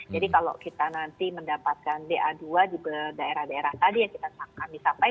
jadi kalau kita nanti mendapatkan ba dua di daerah daerah tadi yang kita sampai